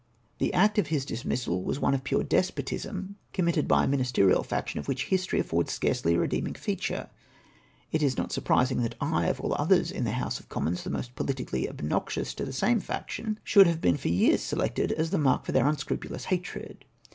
The act of his dismissal was one of pure despotism, committed by a ministerial faction, of which history affords scarcely a redeeming feature. It is not surprising that I, of all others in the House of Commons the most pohtically obnoxious to the same faction, should have been for years selected as the mark for their unscrupulous hatred.